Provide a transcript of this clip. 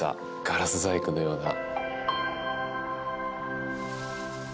ガラス細工のような。